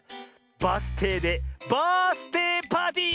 バスていでバースていパーティー！